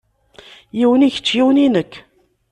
Yiwen i kečč yiwen i nekk.